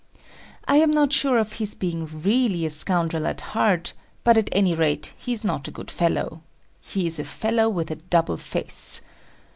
I am not sure of his being really scoundrel at heart, but at any rate he is not a good fellow. He is a fellow with a double face.